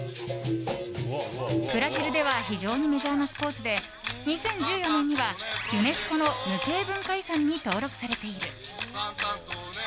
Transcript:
ブラジルでは非常にメジャーなスポーツで２０１４年にはユネスコの無形文化遺産に登録されている。